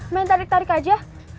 main tarik tarik aja